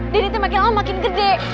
denny tuh makin lama makin gede